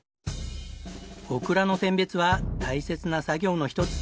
オクラの選別は大切な作業の一つ。